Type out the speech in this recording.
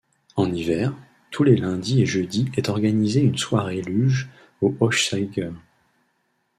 En hiver, tous les lundis et jeudis est organisée une soirée luge au Hochzeiger.